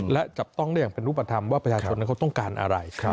และจับต้องได้อย่างเป็นรูปธรรมว่าประชาชนนั้นเขาต้องการอะไร